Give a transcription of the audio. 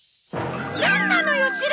なんなのよシロ！